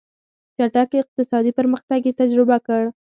چټک اقتصادي پرمختګ یې تجربه کړ.